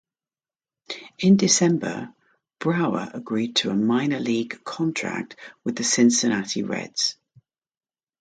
In December, Brower agreed to a minor league contract with the Cincinnati Reds.